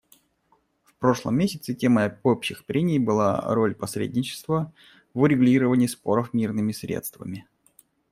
В прошлом месяце темой общих прений была «Роль посредничества в урегулировании споров мирными средствами».